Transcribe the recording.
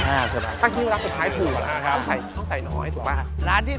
ถ้าที่นี่เป็นร้านสุดท้ายถูก